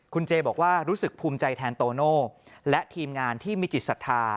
คุณเจบอกว่ารู้สึกภูมิใจแทนโตโน่และทีมงานที่มีจิตศรัทธา